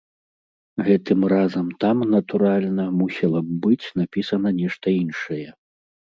Гэтым разам там, натуральна, мусіла б быць напісана нешта іншае.